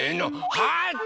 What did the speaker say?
はっと！